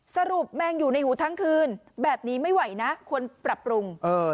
แมงอยู่ในหูทั้งคืนแบบนี้ไม่ไหวนะควรปรับปรุง